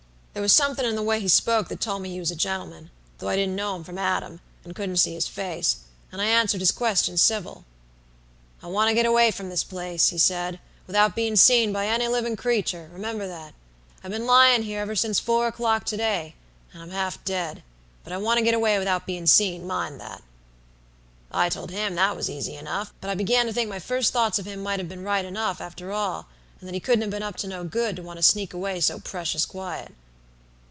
"There was somethin' in the way he spoke that told me he was a gentleman, though I didn't know him from Adam, and couldn't see his face; and I answered his questions civil. "'I want to get away from this place,' he said, 'without bein' seen by any livin' creetur, remember that. I've been lyin' here ever since four o'clock to day, and I'm half dead, but I want to get away without bein' seen, mind that.' "I told him that was easy enough, but I began to think my first thoughts of him might have been right enough, after all, and that he couldn't have been up to no good to want to sneak away so precious quiet.